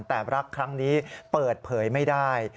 แต่รักครั้งนี้เปิดเผยไม่ได้